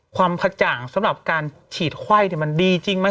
ความกระจ่างสำหรับการฉีดไข้มันดีจริงไหม